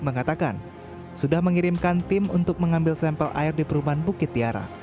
mengatakan sudah mengirimkan tim untuk mengambil sampel air di perumahan bukit tiara